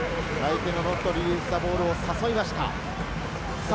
相手のノットリリースザボールを誘いました。